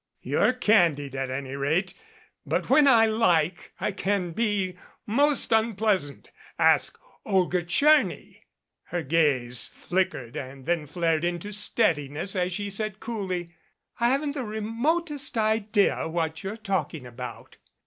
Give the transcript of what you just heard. "You're candid at any rate. But when I like I can be most unpleasant. Ask Olga Tcherny." Her gaze flickered then flared into steadiness as she said coolty. "I haven't the remotest idea what you're talking about."